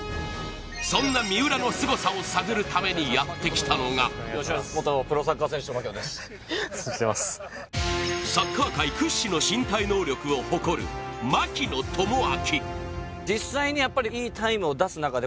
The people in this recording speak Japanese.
そんな三浦のすごさを探るためにやってきたのがサッカー界屈指の身体能力を誇る槙野智章。